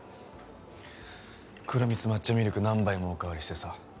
黒蜜抹茶ミルク何杯もおかわりしてさ。